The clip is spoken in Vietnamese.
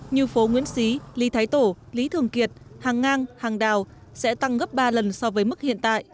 như phố nguyễn xí ly thái tổ lý thường kiệt hàng ngang hàng đào sẽ tăng gấp ba lần so với mức hiện tại